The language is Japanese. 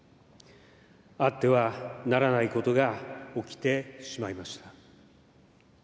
あってはならないことが起きてしまいました。